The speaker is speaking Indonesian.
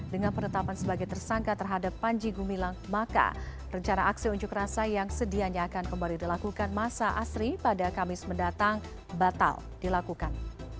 dengan penetapan sebagai tersangka terhadap panji gumilang maka rencana aksi unjuk rasa yang sedianya akan kembali dilakukan masa asri pada kamis mendatang batal dilakukan